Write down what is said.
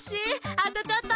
あとちょっと。